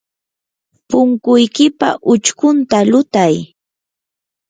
punkuykipa uchkunta lutay.